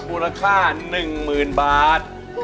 บูรค่า๑หมื่นบาท